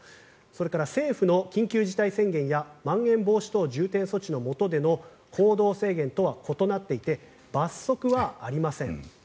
それから政府の緊急事態宣言やまん延防止等重点措置のもとでの行動制限とは異なっていて罰則はありません。